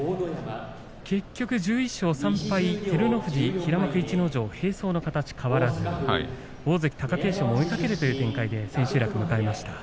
結局、１１勝３敗は照ノ富士、平幕逸ノ城並走の形は変わらず大関貴景勝も追いかけるという形で千秋楽を迎えました。